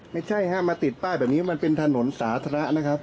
ไม่ใช่ฮะมาติดป้ายแบบนี้มันเป็นถนนสาธารณะนะครับ